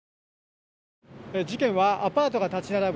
事件はアパートが立ち並ぶ